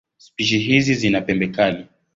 Spishi hizi zina pembe kali.